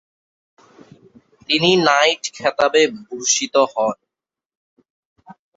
তিনি নাইট খেতাবে ভূষিত হন।